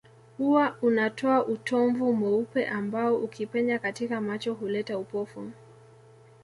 Huwa unatoa utomvu mweupe ambao ukipenya katika macho huleta upofu